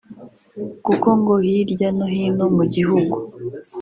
kuko ngo hirya no hino mu gihugu